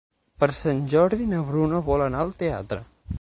Per Sant Jordi na Bruna vol anar al teatre.